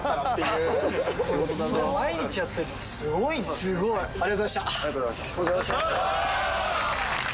すごい。ありがとうございました。